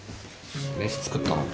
飯作ったの？